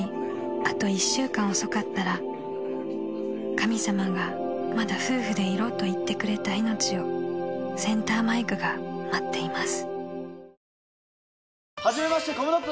［神様が「まだ夫婦でいろ」と言ってくれた命をセンターマイクが待っています］